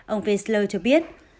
ông wiesler cho biết